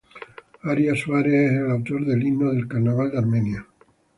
Arias Suárez es el autor del himno del carnaval de Armenia.